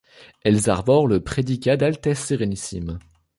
Elles arborent le prédicat d'altesses sérénissimes.